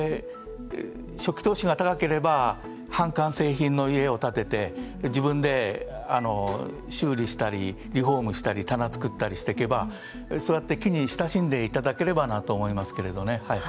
初期投資が高ければ半完成品の家を建てて自分で修理したりリフォームしたり棚作ったりしていけばそうやって木に親しんでいただければと思います。